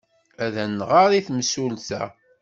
Ad d-nɣer i temsulta?